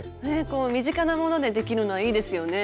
身近なものでできるのはいいですよね。